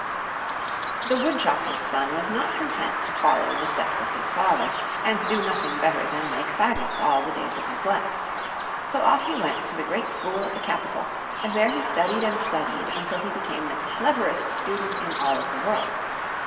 HE wood chopper's son was not content to follow in the steps of his father, and to do nothing better than make fagots all the days of his life. So off he went to the great school at the capital, and there he studied and studied until he became the cleverest student in all of the world.